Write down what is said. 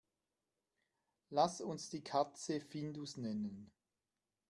Lass uns die Katze Findus nennen.